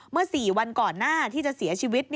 เมื่อ๔วันก่อนหน้าที่จะเสียชีวิต